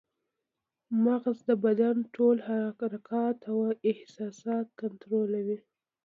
مغز د بدن ټول حرکات او احساسات کنټرولوي